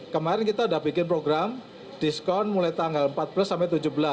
kemarin kita sudah bikin program diskon mulai tanggal empat belas sampai tujuh belas